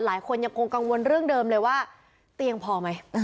หลายคนยังคงกังวลเรื่องเดิมเลยว่าเตียงพอไหม